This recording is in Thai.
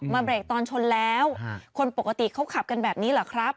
เบรกตอนชนแล้วคนปกติเขาขับกันแบบนี้เหรอครับ